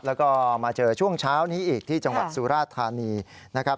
แล้วก็มาเจอช่วงเช้านี้อีกที่จังหวัดสุราธานีนะครับ